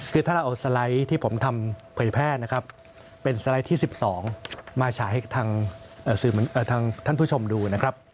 คือถ้าเราเอาสไลด์ที่ผมทำเผยแพร่นะครับเป็นสไลด์ที่๑๒มาฉายให้ทางท่านผู้ชมดูนะครับ